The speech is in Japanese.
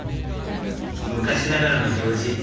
昔ながらの行事